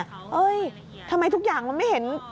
เฮ้ยทำไมทุกอย่างมันไม่เห็น